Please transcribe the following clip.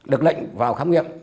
được lệnh vào khám nghiệm